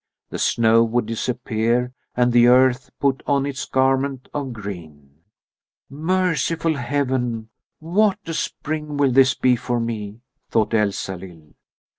The snow would disappear and the earth put on its garment of green. "Merciful heaven, what a spring will this be for me!" thought Elsalill.